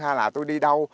hay là tôi đi đâu